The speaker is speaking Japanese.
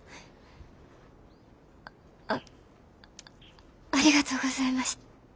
あありがとうございました。